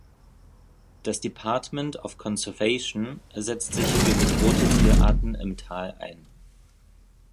Das Department of Conservation setzt sich für bedrohte Tierarten im Tal ein.